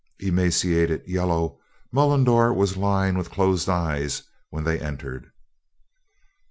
Emaciated, yellow, Mullendore was lying with closed eyes when they entered.